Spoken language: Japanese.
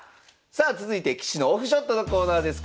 さあ続いて棋士のオフショットのコーナーです。